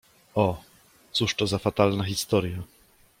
— O, cóż to za fatalna historia!